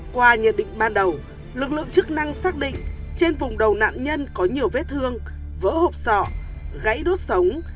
qua nhận định ban đầu lực lượng chức năng xác định trên vùng đầu nạn nhân có nhiều vết thương vỡ hộp sọ gãy đốt sống